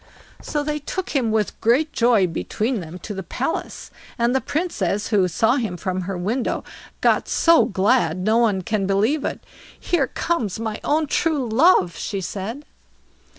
So they took him with great joy between them to the palace, and the Princess, who saw him from her window, got so glad, no one can believe it. "Here comes my own true love", she said.